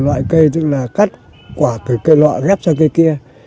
loại cây tức là cắt quả từ cây loại ghép cho cây kia